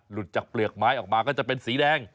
จากเปลือกไม้ออกมาก็จะเป็นสีแดง